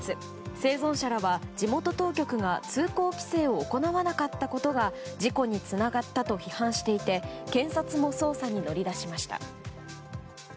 生存者らは、地元当局が通行規制を行わなかったことが事故につながったと批判していて検察も捜査に乗り出しました。